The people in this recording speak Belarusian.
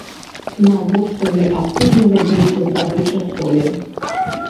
На востраве актыўна вядзецца здабыча солі.